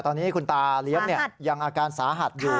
ตอนนี้คุณตาเลี้ยงยังอาการสาหัสอยู่